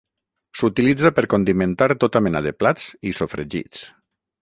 S'utilitza per condimentar tota mena de plats i sofregits.